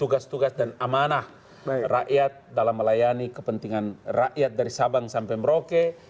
tugas tugas dan amanah rakyat dalam melayani kepentingan rakyat dari sabang sampai merauke